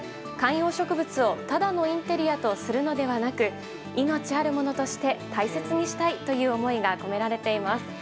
観葉植物を、ただのインテリアとするのではなく命あるものとして大切にしたいという思いが込められています。